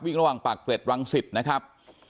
ระหว่างปากเกร็ดรังสิตนะครับ